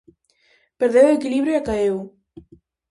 Perdeu o equilibrio e caeu.